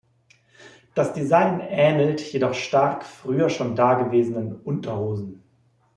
Das Design ähnelt jedoch stark früher schon dagewesenen „Unterhosen“.